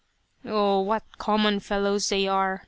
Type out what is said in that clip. " Oh, what common fellows they are